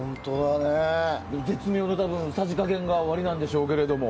絶妙なさじ加減がおありなんでしょうけど。